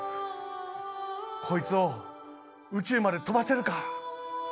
こいつを宇宙まで飛ばせるか。